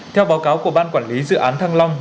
theo báo cáo của ban quản lý dự án thăng long